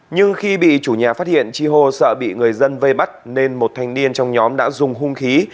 nhưng khi bị chủ nhà phát hiện chi hô sợ bị người dân vây bắt nên một thanh niên trong nhóm đã dùng hung khí